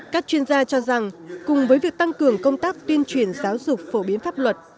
các chuyên gia cho rằng cùng với việc tăng cường công tác tuyên truyền giáo dục phổ biến pháp luật